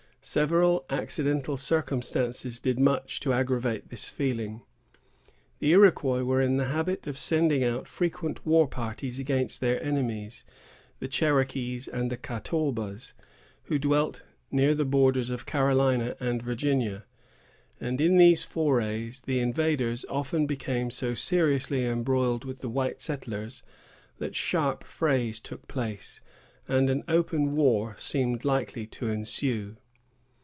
Several accidental circumstances did much to aggravate this feeling. The Iroquois were in the habit of sending out frequent war parties against their enemies, the Cherokees and Catawbas, who dwelt near the borders of Carolina and Virginia; and in these forays the invaders often became so seriously embroiled with the white settlers, that sharp frays took place, and an open war seemed likely to ensue.